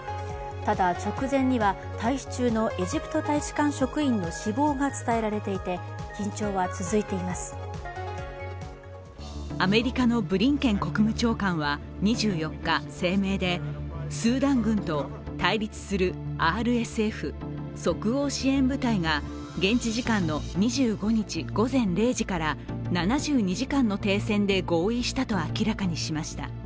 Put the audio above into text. ただ、直前には退避中のエジプト大使館職員の死亡が伝えられていてアメリカのブリンケン国務長官は２４日、声明で、スーダン軍と対立するＲＳＦ＝即応支援部隊が現地時間の２５日午前０時から７２時間の停戦で合意したと明らかにしました。